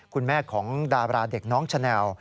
คุณแม่ของดาราเด็กน้องชะแนล